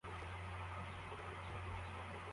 Umukobwa arimo gukina hamwe namashusho kuri ecran nini